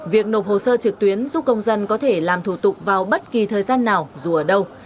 việc nộp hồ sơ trực tuyến giúp công dân có thể làm thủ tục vào bất kỳ thời gian nào dù ở đâu